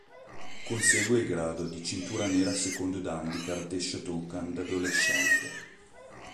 Consegue il grado di cintura nera secondo dan di Karate Shotokan da adolescente.